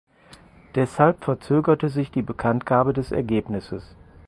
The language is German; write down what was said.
Deshalb verzögerte sich die Bekanntgabe des Ergebnisses.